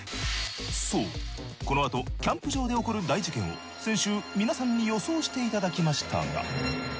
そうこのあとキャンプ場で起こる大事件を先週皆さんに予想していただきましたが。